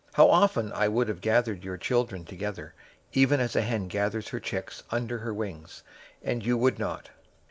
How often I would have gathered your children together, even as a hen gathers her chicks under her wings, and you would not!